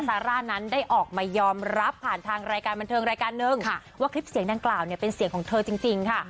ซาร่านั้นได้ออกมายอมรับผ่านทางรายการบันเทิงรายการนึงว่าคลิปเสียงดังกล่าวเนี่ยเป็นเสียงของเธอจริงค่ะ